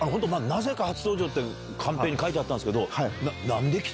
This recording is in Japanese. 「なぜか初登場」ってカンペに書いてあったんすけど。